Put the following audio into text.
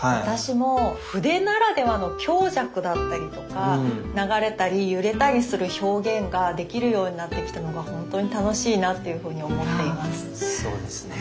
私も筆ならではの強弱だったりとか流れたり揺れたりする表現ができるようになってきたのが本当に楽しいなというふうに思っています。